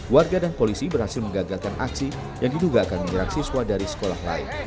warga dan polisi berhasil mengagalkan aksi yang diduga akan menyerang siswa dari sekolah lain